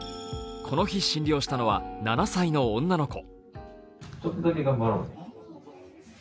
この日、診療したのは７歳の女の子。